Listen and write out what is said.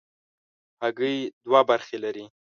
هګۍ دوه برخې لري.